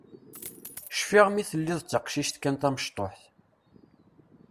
Cfiɣ mi telliḍ d taqcict kan tamecṭuḥt.